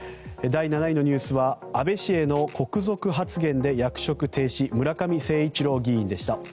第７位のニュースは安倍氏への国賊発言で役職停止、村上誠一郎議員。